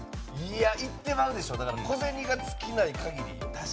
いってまうでしょ、小銭が尽きない限り。